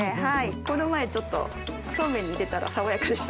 この前ちょっとそうめんに入れたら爽やかでした。